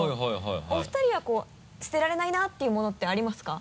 お二人は捨てられないなっていうものってありますか？